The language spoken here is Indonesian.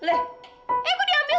eh kok diambil sih